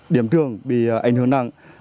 điểm trường bị ảnh hưởng nặng